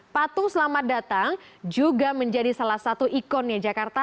patung selamat datang juga menjadi salah satu ikonnya jakarta